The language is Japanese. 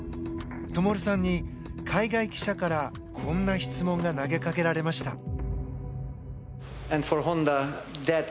灯さんに海外記者からこんな質問が投げかけられました。